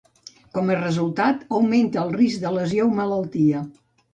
Com a resultat, augmenta el risc de lesió o malaltia.